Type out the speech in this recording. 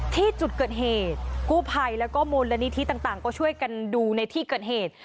ที่จุดเกิดเหตุกู้ภัยแล้วก็มูลนิธิต่างก็ช่วยกันดูในที่เกิดเหตุ